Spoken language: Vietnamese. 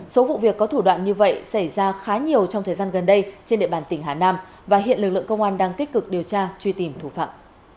số vụ việc có thủ đoạn như vậy xảy ra khá nhiều trong thời gian gần đây trên địa bàn tỉnh hà nam và hiện lực lượng công an đang tích cực điều tra truy tìm thủ phạm